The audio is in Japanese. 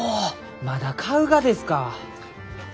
まだ買うがですか？